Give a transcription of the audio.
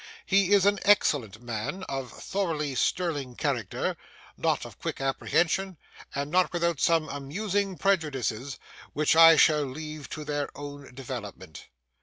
He is an excellent man, of thoroughly sterling character: not of quick apprehension, and not without some amusing prejudices, which I shall leave to their own development.